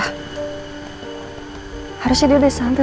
harusnya dia udah santai